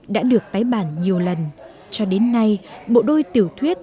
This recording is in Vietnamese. đã được tái bản nhiều lần cho đến nay bộ đôi tiểu thuyết